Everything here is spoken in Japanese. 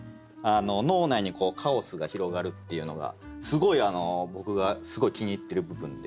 脳内にカオスが広がるっていうのが僕がすごい気に入ってる部分で。